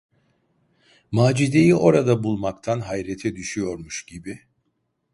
Macide’yi orada bulmaktan hayrete düşüyormuş gibi: